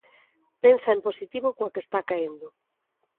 Pensa en positivo coa que está caendo.